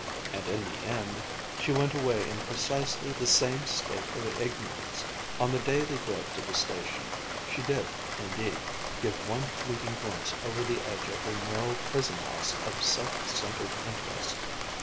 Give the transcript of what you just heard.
And in the end, she went away in precisely the same state of ignorance. On the day they drove to the station she did, indeed, give one fleeting glimpse over the edge of her narrow prison house of self centered interest.